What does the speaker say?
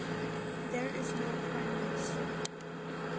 There is no prime minister.